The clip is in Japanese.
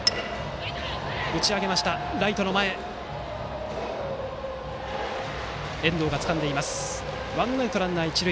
ライト、遠藤がつかんでワンアウトランナー、一塁。